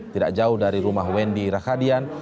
tidak jauh dari rumah wendy rahadian